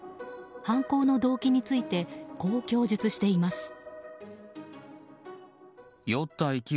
犯行の動機についてこう供述しています。